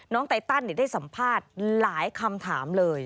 ไตตันได้สัมภาษณ์หลายคำถามเลย